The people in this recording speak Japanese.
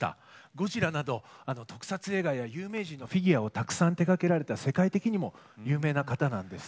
ゴジラなど特撮映画や有名人のフィギュアをたくさん手がけられた世界的にも有名な方なんです。